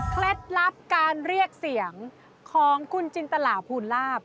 ลับการเรียกเสียงของคุณจินตลาภูลาภ